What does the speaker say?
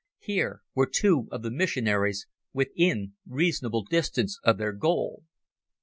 Here were two of the missionaries within reasonable distance of their goal.